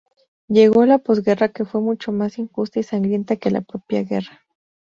Llegó la posguerra que fue mucho más injusta y sangrienta que la propia guerra.